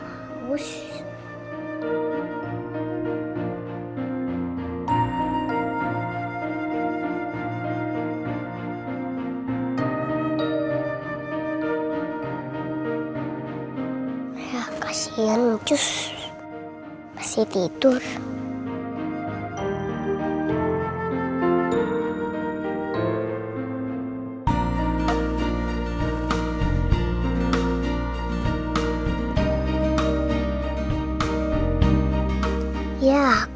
oleh melihat perancitnya